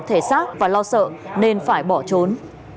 thể xác và lo sợ nên phải bỏ trốn